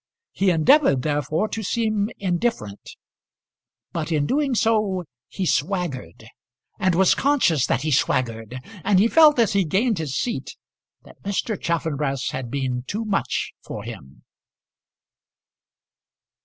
He endeavoured therefore to seem indifferent; but in doing so he swaggered, and was conscious that he swaggered; and he felt as he gained his seat that Mr. Chaffanbrass had been too much for him.